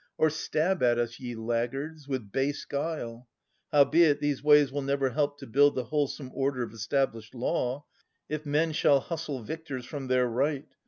Or stab at us, ye laggards ! with base guile. Howbeit, these ways will never help to build The wholesome order of established law. If men shall hustle victors from their right.